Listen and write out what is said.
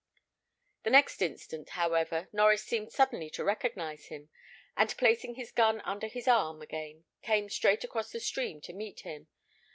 The next instant, however, Norries seemed suddenly to recognise him, and placing his gun under his arm again, came straight across the stream to meet him.